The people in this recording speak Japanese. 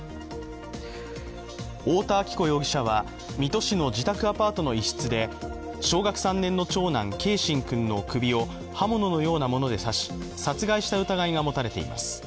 太田亜紀子容疑者は、水戸市の自宅アパートの一室で、小学３年の長男・継真君の首を刃物のようなもので刺し、殺害した疑いが持たれています。